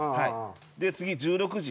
次１６時。